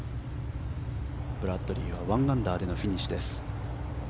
ブラッドリーは１アンダーでのフィニッシュです。